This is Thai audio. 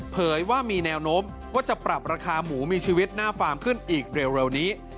เผยว่ามีแนวโน้มว่าจะปรับราคาหมูมีชีวิตหน้าฟาร์มขึ้นอีกเร็วนี้